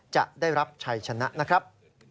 จะได้รับชัยชนะนะครับ